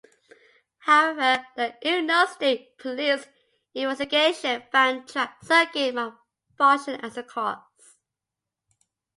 However, the Illinois State Police investigation found track circuit malfunction as the cause.